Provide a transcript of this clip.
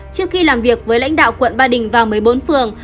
trước khi làm việc với lãnh đạo quận ba đình và một mươi bốn phường